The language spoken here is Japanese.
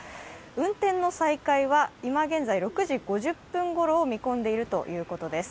運転の再開は今現在、６時５０分ごろを見込んでいるということです。